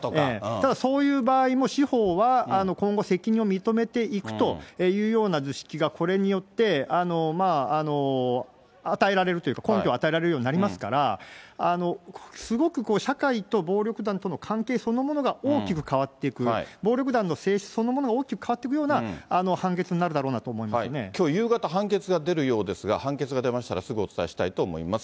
ただ、そういう場合も、司法は今後、責任を認めていくというような図式がこれによって与えられるというか、根拠を与えられるようになりますから、すごく社会と暴力団との関係そのものが大きく変わっていく、暴力団の性質そのものが大きく変わっていくような判決になるだろきょう夕方、判決が出るようですが、判決が出ましたらすぐお伝えしたいと思います。